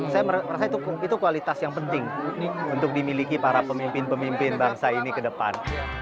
saya merasa itu kualitas yang penting untuk dimiliki para pemimpin pemimpin bangsa ini ke depan